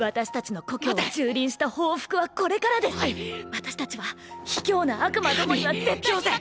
私たちは卑怯な悪魔どもには絶対に負け。